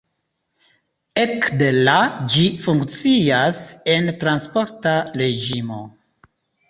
Ekde la ĝi funkcias en transporta reĝimo.